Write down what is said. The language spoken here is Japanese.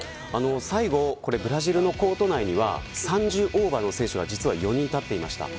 最後、ブラジルのコート内には３０オーバーの選手が実は４人立っていました。